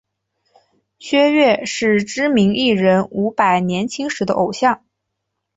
薛岳是知名艺人伍佰年轻时的偶像。